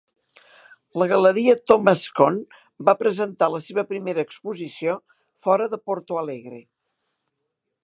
La galeria Thomas Cohn va presentar la seva primera exposició fora de Porto Alegre.